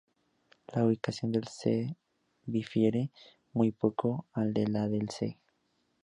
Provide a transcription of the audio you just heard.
La ubicación del Ce' difiere muy poco de la del Ce.